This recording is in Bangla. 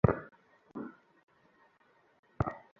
ফলে ভালো লেখার সুযোগ হয় না।